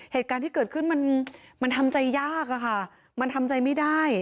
เหตุการณ์ที่เกิดขึ้นมันทำใจยากอะค่ะ